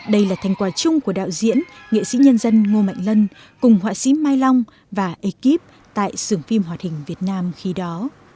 đây là thành quả chung của đạo diễn nghệ sĩ nhân dân ngô mạnh lân cùng họa sĩ mai long và ekip tại sưởng phim hoạt hình việt nam khi đó